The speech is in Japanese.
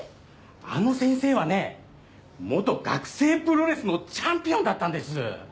あの先生はね元学生プロレスのチャンピオンだったんです。